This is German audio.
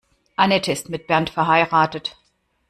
Anette ist mit Bernd verheiratet.